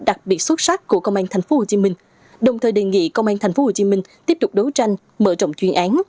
đặc biệt xuất sắc của công an tp hcm đồng thời đề nghị công an tp hcm tiếp tục đấu tranh mở rộng chuyên án